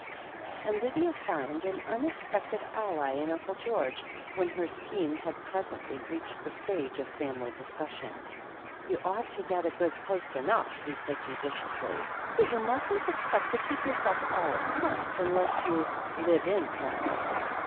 THE HEEL OF ACHILLES 87 And Lydia found an unexpected ally in Uncle George, when her scheme had presently reached the stage of family discussion. "You ought to get a good post enough/* he said judicially, "but you mustn't expect to keep yourself all at once unless you 'live in' somewhere?"